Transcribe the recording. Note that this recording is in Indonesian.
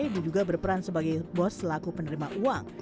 dia juga berperan sebagai bos selaku penerima uang